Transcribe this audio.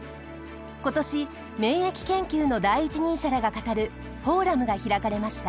今年免疫研究の第一人者らが語るフォーラムが開かれました。